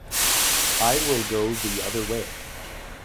I will go the other way.